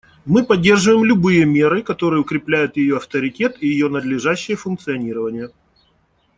Мы поддерживаем любые меры, которые укрепляют ее авторитет и ее надлежащее функционирование.